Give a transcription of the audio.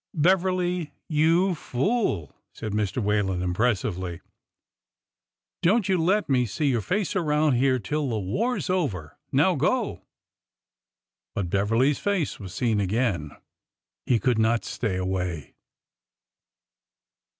^'Beverly, you fool!" said Mr. Whalen, impressively; don't you let me see your face around here till the war 's over ! Now go !" But Beverly's face was seen again. He could not stay away.